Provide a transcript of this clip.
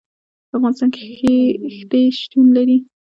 په افغانستان کې ښتې شتون لري.